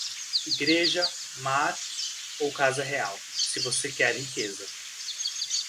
Igreja, mar ou casa real, se você quer riqueza.